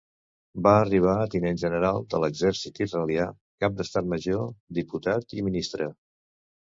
Va arribar a tinent general de l'exèrcit israelià, Cap d'Estat Major, diputat i Ministre.